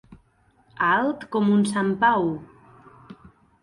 Alt com un sant Pau.